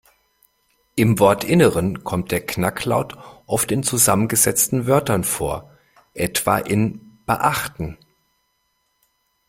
Im Wortinneren kommt der Knacklaut oft in zusammengesetzten Wörtern vor, etwa in "beachten".